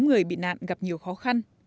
người bị nạn gặp nhiều khó khăn